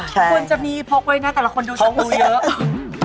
ควรจะมีพกไว้นะแต่ละคนดูชมพูเยอะ